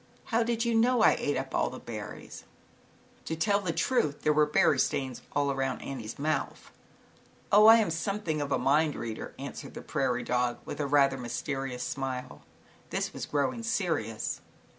"How did you know I ate up all the ZAUBERLINDA, THE WISE WITCH. 99 berries?" To tell the truth there were berry stains all around Annie's mouth. "Oh, I am something of a mind reader," answered the prairie dog, with a rather mysterious smile, This was growing serious.